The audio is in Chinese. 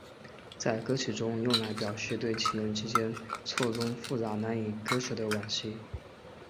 在歌曲中用来表示对情人之间错综复杂难以割舍的惋惜。